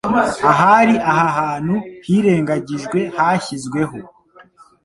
Ahari aha hantu hirengagijwe hashyizweho